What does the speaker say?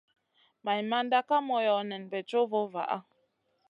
Maimanda Kay moyo nen bey co vo vaha.